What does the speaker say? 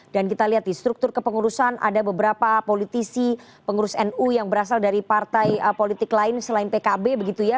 dan kita lihat di struktur kepengurusan ada beberapa politisi pengurus nu yang berasal dari partai politik lain selain pkb begitu ya